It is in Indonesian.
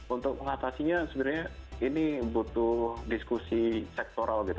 untuk mengatasinya sebenarnya ini butuh diskusi sektoral gitu